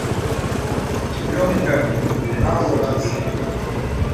Ǹyɔ̄m ngəm à wɔ̄lə̀ nsəŋ.